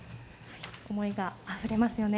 思いがあふれますよね。